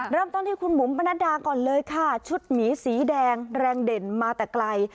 เริ่มต้นที่คุณบุ๋มปนัดดาก่อนเลยค่ะชุดหมีสีแดงแรงเด่นมาแต่ไกล